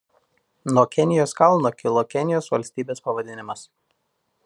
Nuo Kenijos kalno kilo Kenijos valstybės pavadinimas.